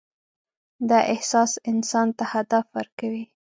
دا احساس انسان ته هدف ورکوي.